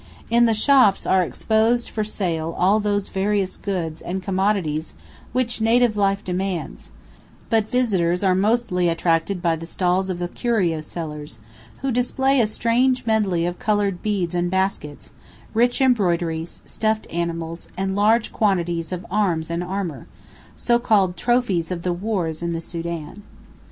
In the shops are exposed for sale all those various goods and commodities which native life demands; but visitors are mostly attracted by the stalls of the curio sellers, who display a strange medley of coloured beads and baskets, rich embroideries, stuffed animals, and large quantities of arms and armour, so called trophies of the wars in the Sūdan.